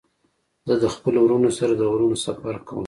زه د خپلو ورونو سره د غرونو سفر کوم.